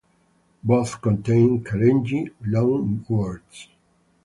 Both contain Kalenjin loanwords.